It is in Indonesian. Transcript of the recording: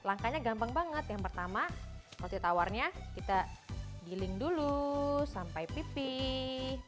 langkahnya gampang banget yang pertama roti tawarnya kita giling dulu sampai pipih